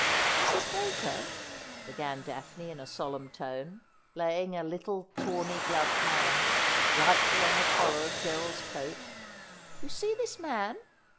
' Mrs. Baker,' began Daphne in a solemn tone, laying a little 156 Asphodel. tawny gloved hand lightly on the collar of Gerald's coat, ' you see this man